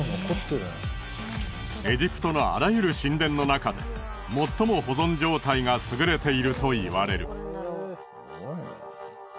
エジプトのあらゆる神殿のなかで最も保存状態が優れていると言われる。